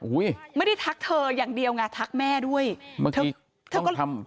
อุ้ยไม่ได้ทักเธออย่างเดียวไงทักแม่ด้วยเมื่อกี้ต้องทำ